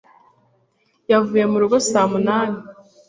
Yavuye mu rugo saa munani.